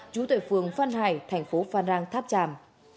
chú tệ phường phan hải thành phố phan rang tháp tràm